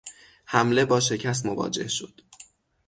حمله با شکست مواجه شد.